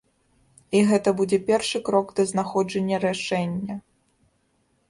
І гэта будзе першы крок да знаходжання рашэння.